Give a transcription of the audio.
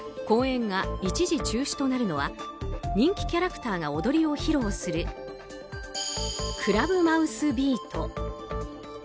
公演が一時中止となるのは人気キャラクターが踊りを披露するクラブマウスビート。